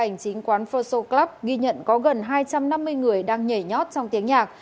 hành chính quán feso club ghi nhận có gần hai trăm năm mươi người đang nhảy nhót trong tiếng nhạc